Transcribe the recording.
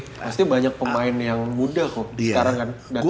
pasti banyak pemain yang muda kok